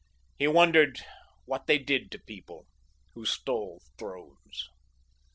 He wondered what they did to people who stole thrones.